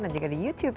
dan juga di youtube